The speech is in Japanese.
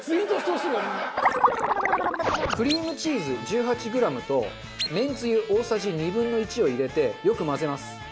中丸：クリームチーズ、１８ｇとめんつゆ、大さじ２分の１を入れて、よく混ぜます。